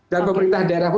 dan pemerintah daerah